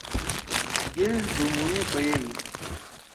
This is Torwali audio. گیل دُو مُو ئے پیَئی